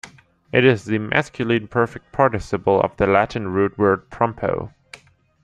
It is the masculine perfect participle of the Latin root word "pompo".